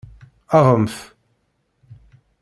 Aɣemt!